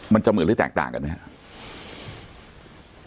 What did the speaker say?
มันจะเหมือนหรือแตกต่างกันไหมครับ